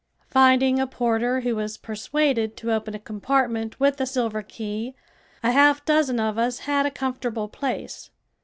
Finding a porter who was persuaded to open a compartment with a silver key a half dozen of us had a comfortable place.